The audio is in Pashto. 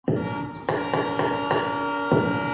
عبدالخالق صادق فضل محمد پنهان